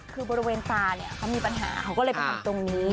คือบริเวณตาเนี่ยเขามีปัญหาเขาก็เลยไปทำตรงนี้